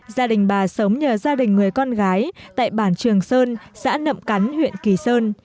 gia đình bà sống nhờ gia đình người con gái tại bản trường sơn xã nậm cắn huyện kỳ sơn